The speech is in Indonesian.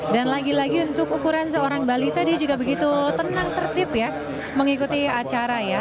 dan lagi lagi untuk ukuran seorang balita dia juga begitu tenang tertip ya mengikuti acara ya